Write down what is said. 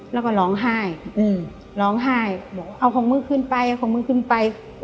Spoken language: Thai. แล้วก็ร้องไห้ร้องไห้บอกเอาของมึงขึ้นไปเอาของมึงขึ้นไป